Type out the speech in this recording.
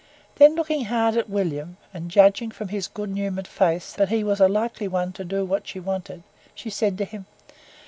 Then looking hard at William, and judging from his good humoured face, that he was a likely one to do what she wanted, she said to him.